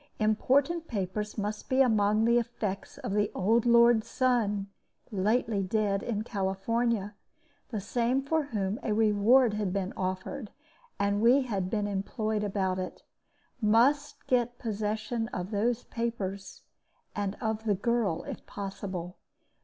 Important papers must be among the effects of the old lord's son, lately dead in California, the same for whom a reward had been offered, and we had been employed about it. Must get possession of those papers, and of the girl, if possible.